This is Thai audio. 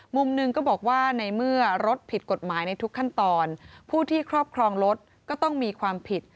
มุมหนึ่งก็บอกว่าในเมื่อรถผิดกฎหมายในทุกขั้นตอนผู้ที่ครอบครองรถก็ต้องมีความผิด